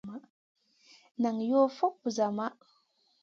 Nan ŋòm fokŋ busa maʼh.